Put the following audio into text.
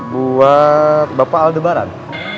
buat bapak aldebaran